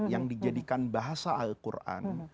yang dijadikan bahasa al quran